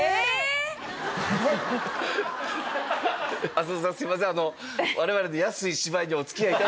浅野さんすいません。